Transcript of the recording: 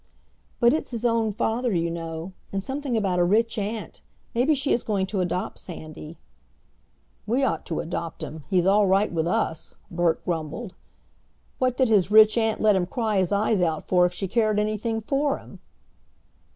"But it's his own father, you know, and something about a rich aunt. Maybe she is going to adopt Sandy." "We ought to adopt him; he's all right with us," Bert grumbled. "What did his rich aunt let him cry his eyes out for if she cared anything for him?"